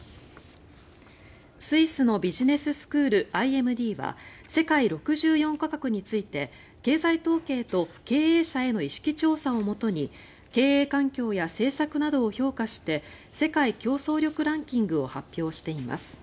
スイスのビジネススクールＩＭＤは世界６４か国について経済統計と経営者への意識調査をもとに経営環境や政策などを評価して世界競争力ランキングを発表しています。